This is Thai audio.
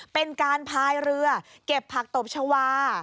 เป็นการพายเรือเก็บผักตบชาวา